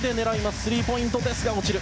スリーポイントですが落ちる。